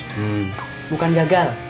hmm bukan gagal